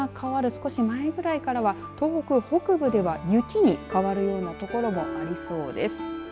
少し前ぐらいからは東北北部では雪に変わるような所もありそうです。